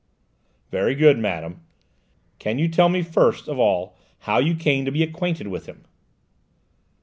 "Very good, madame. Can you tell me first of all how you came to be acquainted with him?"